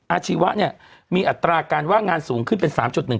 อาชีวะเนี่ยมีอัตราการว่างงานสูงขึ้นเป็น๓๑